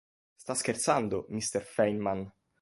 Sta scherzando, Mr Feynman!